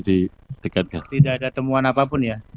tidak ada temuan apapun ya